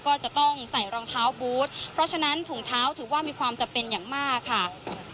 ก็จะต้องใส่รองเท้าบูธเพราะฉะนั้นถุงเท้าถือว่ามีความจำเป็นอย่างมากค่ะ